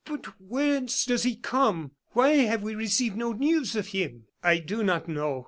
"But whence does he come? Why have we received no news of him?" "I do not know.